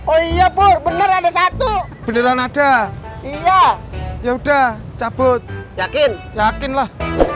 oh iya bener ada satu beneran ada iya ya udah cabut yakin yakinlah